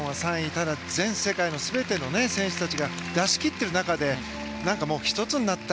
ただ全世界の全ての選手たちが出しきってる中で一つになった。